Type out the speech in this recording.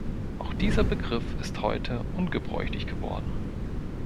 Auch dieser Begriff ist heute ungebräuchlich geworden.